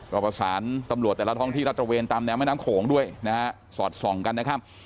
ก็ประสานตำรวจแต่ละท้องที่รัฐระเวนตามแนวแม่น้ำโขงด้วยนะฮะสอดส่องกันนะครับ